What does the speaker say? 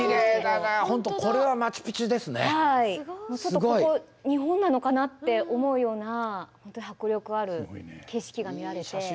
もうちょっとここ日本なのかなって思うような本当に迫力ある景色が見られて。